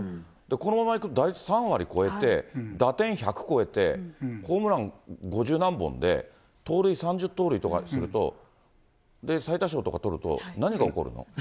このままいくと打率３割超えて、打点１００超えて、ホームラン五十何本で、盗塁３０盗塁とかすると、最多勝とか取ると、何が起こるの？